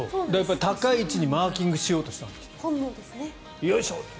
高い位置にマーキングをしようとしたんだと。